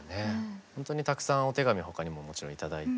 本当にたくさんお手紙他にももちろん頂いて。